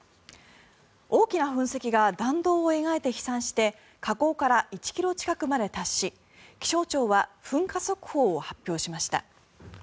大きな噴石が弾道を描いて飛散して火口から１ｋｍ近くまで達し気象庁は噴火速報を発表しました。